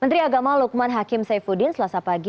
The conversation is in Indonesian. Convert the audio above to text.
menteri agama lukman hakim saifuddin selasa pagi